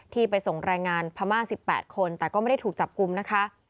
ไปส่งแรงงานพม่า๑๘คนแต่ก็ไม่ได้ถูกจับกลุ่มนะคะ